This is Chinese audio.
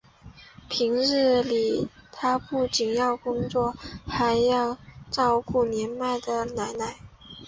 平日里他不仅要工作还要照顾年迈的奶奶。